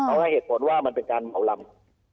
เขาให้เหตุผลว่ามันเป็นการเอาลำ